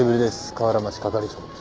河原町係長。